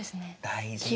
大事。